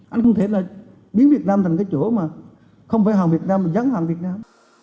anh không thể là biến việt nam thành cái chỗ mà không phải hàng việt nam mà rắn hàng việt nam